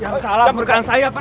yang salah menurut saya pak